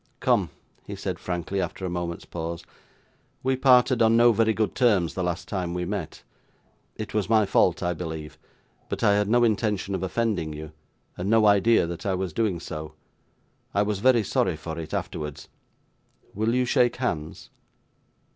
'Come!' he said, frankly, after a moment's pause, 'we parted on no very good terms the last time we met; it was my fault, I believe; but I had no intention of offending you, and no idea that I was doing so. I was very sorry for it, afterwards. Will you shake hands?